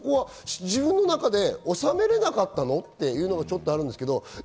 自分の中でおさめられなかったのというのがあるんですけれども。